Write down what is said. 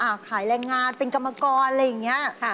ขายแรงงานเป็นกรรมกรอะไรอย่างนี้